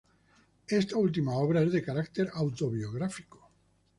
Esta última obra es de carácter autobiográfico.